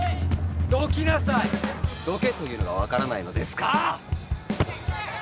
どけというのが分からないのですか！